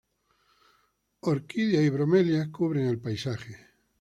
Alrededor de la mayoría de las orquídeas y bromelias cubren el paisaje.